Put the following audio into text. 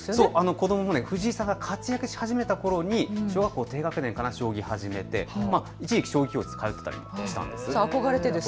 子どもも藤井さんが活躍し始めたころに小学校低学年かな、将棋を始めて一時期、将棋教室に通っていたんです。